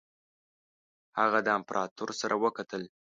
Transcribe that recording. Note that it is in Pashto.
هغه د امپراطور سره وکتل.